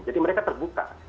jadi mereka terbuka